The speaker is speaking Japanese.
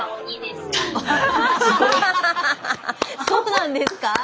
そうなんですか？